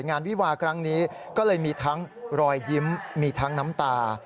วิวาครั้งนี้ก็เลยมีทั้งรอยยิ้มมีทั้งน้ำตา